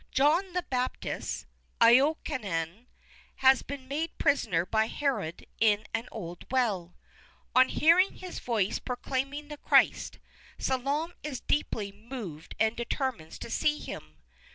John the Baptist (Iokanaan) has been made prisoner by Herod in an old well. On hearing his voice proclaiming the Christ, Salome is deeply moved and determines to see him.